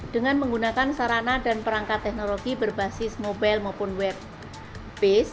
dengan menggunakan sarana dan perangkat teknologi berbasis mobile maupun web based